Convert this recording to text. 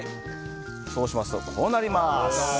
そうしますとこうなります。